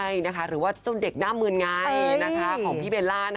ใช่นะคะหรือว่าเจ้าเด็กหน้ามืนไงของพี่เบลล่า